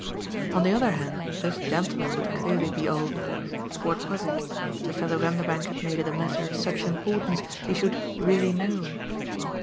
On the other hand this gentleman would clearly be old what was it? the fellow Vanderbank had made it a matter of such importance he should "really know."